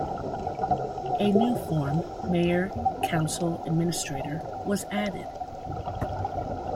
A new form, mayor-council-administrator, was added.